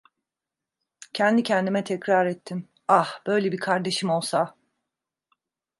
Kendi kendime tekrar ettim: "Ah, böyle bir kardeşim olsa!"